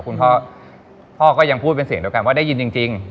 คุณพ่อพ่อก็ยังพูดเป็นเสียงเดียวกันว่าได้ยินจริง